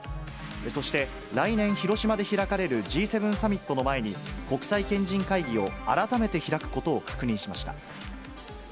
そして、来年広島で開かれるＧ７サミットの前に、国際賢人会議を改めて開くことを確認しました。